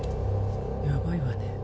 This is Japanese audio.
やばいわね